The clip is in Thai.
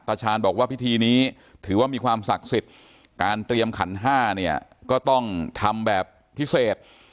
ชาญบอกว่าพิธีนี้ถือว่ามีความศักดิ์สิทธิ์การเตรียมขันห้าเนี่ยก็ต้องทำแบบพิเศษ